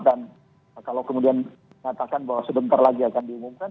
dan kalau kemudian katakan bahwa sebentar lagi akan diumumkan